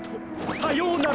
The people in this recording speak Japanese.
さようなら。